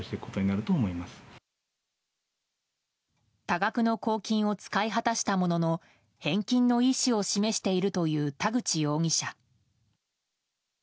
多額の公金を使い果たしたものの返金の意思を示しているという田口容疑者。